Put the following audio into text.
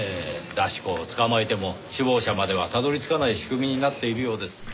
出し子を捕まえても首謀者まではたどり着かない仕組みになっているようです。